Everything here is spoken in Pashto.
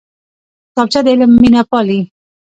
کتابچه د علم مینه پالي